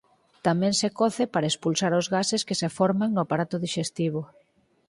Tamén se coce para expulsar os gases que se forman no aparato dixestivo.